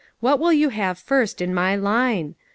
What will you have first in my line?